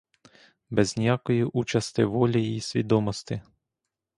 Без ніякої участи волі й свідомости.